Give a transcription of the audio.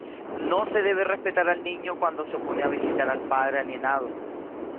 No se debe respetar al niño cuando se opone a visitar al padre alienado.